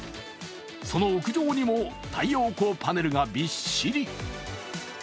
その屋上にも太陽光パネルがびっしり。